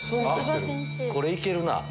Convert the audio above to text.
これいけるなぁ。